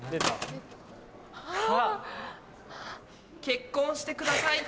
結婚してください。